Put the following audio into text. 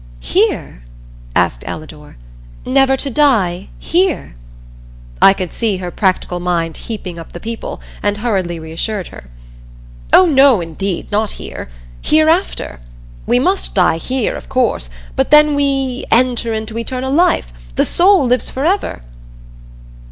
"Here?" asked Ellador. "Never to die here?" I could see her practical mind heaping up the people, and hurriedly reassured her. "Oh no, indeed, not here hereafter. We must die here, of course, but then we 'enter into eternal life.' The soul lives forever."